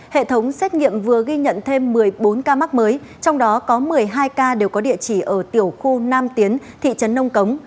hệ thống xét nghiệm vừa ghi nhận thêm một mươi bốn ca mắc mới trong đó có một mươi hai ca đều có địa chỉ ở tiểu khu nam tiến thị trấn nông cống